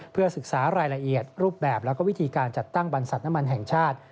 เพื่อศึกษารายละเอียดรูปแบบแล้วก็วิธีการจัดตั้งบรรษัทน้ำมันแห่งชาติ